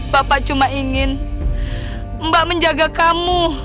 bapak cuma ingin mbak menjaga kamu